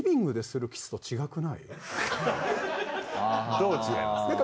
どう違いますか？